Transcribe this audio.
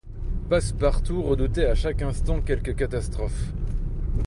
Passepartout redoutait à chaque instant quelque catastrophe.